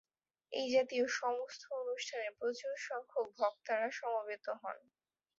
এ জাতীয় সমস্ত অনুষ্ঠানে প্রচুর সংখ্যক ভক্তরা সমবেত হন।